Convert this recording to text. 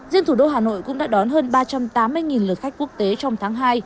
riêng thủ đô hà nội cũng đã đón hơn ba trăm tám mươi lượt khách quốc tế trong tháng hai